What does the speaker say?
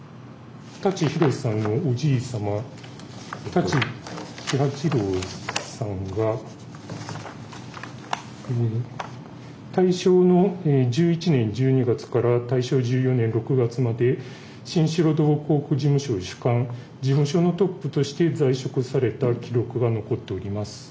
舘ひろしさんのおじい様舘喜八郎さんが大正の１１年１２月から大正１４年６月まで「新城土木工区事務所主幹」事務所のトップとして在職された記録が残っております。